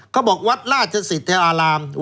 เขาบอกวัดราชสิทธาอาราม